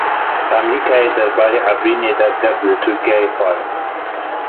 Amerîkayê derbarê Efrînê de gef li Tirkiyê xwarin.